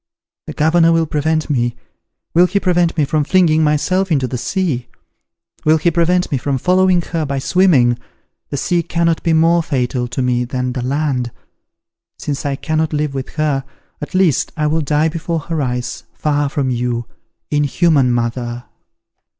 The governor will prevent me! Will he prevent me from flinging myself into the sea? will he prevent me from following her by swimming? The sea cannot be more fatal to me than the land. Since I cannot live with her, at least I will die before her eyes, far from you. Inhuman mother!